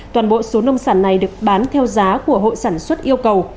toàn bộ số nông sản này được bán theo giá của hội sản xuất yêu cầu